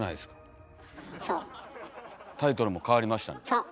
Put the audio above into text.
そう！